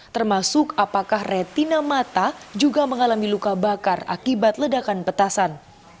termasuk apakah retina mata juga mengalami luka bakar akibat ledakan petasan